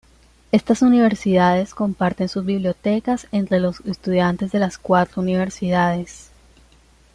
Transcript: Estas universidades comparten sus bibliotecas entre los estudiantes de las cuatro universidades.